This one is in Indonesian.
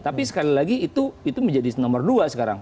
tapi sekali lagi itu menjadi nomor dua sekarang